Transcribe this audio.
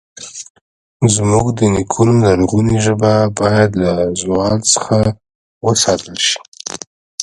زموږ د نیکونو لرغونې ژبه باید له زوال څخه وساتل شي.